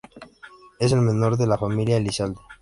Es el menor de la familia Elizalde.